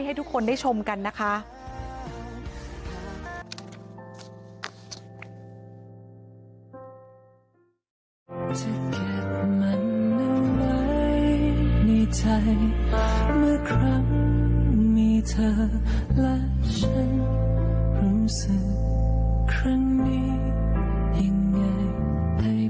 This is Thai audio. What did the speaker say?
ให้ทุกคนได้ชมกันนะคะ